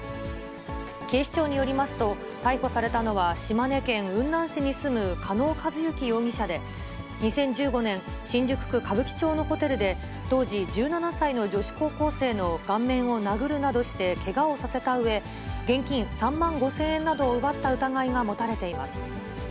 警視庁によりますと、逮捕されたのは、島根県雲南市に住む加納和通容疑者で、２０１５年、新宿区歌舞伎町のホテルで、当時１７歳の女子高校生の顔面を殴るなどしてけがをさせたうえ、現金３万５０００円などを奪った疑いが持たれています。